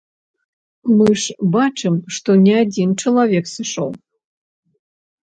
Мы ж бачым, што не адзін чалавек сышоў.